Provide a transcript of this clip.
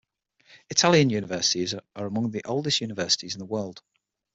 Italian universities are among the oldest universities in the world.